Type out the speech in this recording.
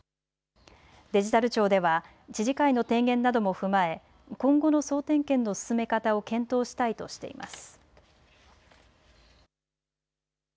デジタル庁では知事会の提言なども踏まえ、今後の総点検の進め方を検討したいとしています。